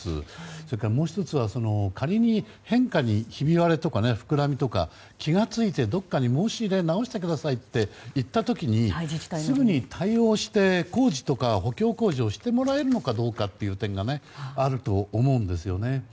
それからもう１つは仮に変化にひび割れとか膨らみとかに気が付いてどこかに直してくださいといった時にすぐに対応して工事とか補強工事をしてもらえるのかどうかという点があると思うんですよね。